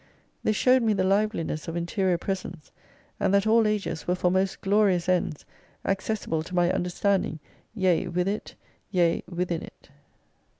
This showed me the liveliness of interior presence, and that all ages were for most glorious ends, accessible to my understanding, yea with it, yea within it.